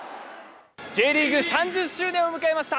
Ｊリーグ３０周年を迎えました。